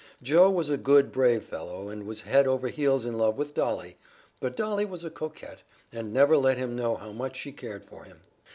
Joe was a good, brave fellow, and was head over ears in love with Dolly, but Dolly was a coquette, and never let him know how much she cared for him.